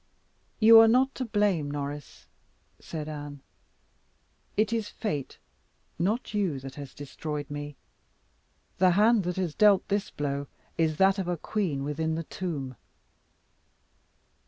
"You are not to blame, Norris," said Anne; "it is fate, not you, that has destroyed me. The hand that has dealt this blow is that of a queen within the tomb."